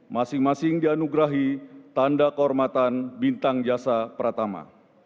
masing masing dianugerahi tanda kehormatan bintang jasa pratama